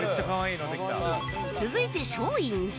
続いて松陰寺